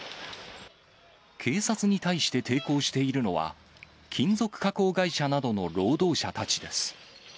警察に対して抵抗しているのは、金属加工会社などの労働者たちです。